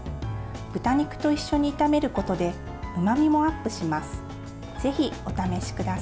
豚肉と一緒に炒めることでうまみもアップします。